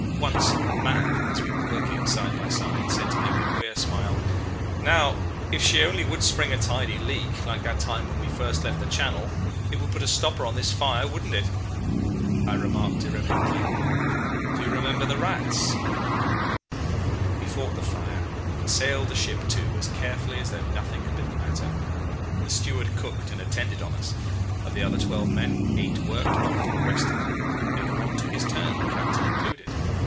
Once Mahon, as we were working side by side, said to me with a queer smile: 'Now, if she only would spring a tidy leak like that time when we first left the Channel it would put a stopper on this fire. Wouldn't it?' I remarked irrelevantly, 'Do you remember the rats?' "We fought the fire and sailed the ship too as carefully as though nothing had been the matter. The steward cooked and attended on us. Of the other twelve men, eight worked while four rested. Everyone took his turn, captain included.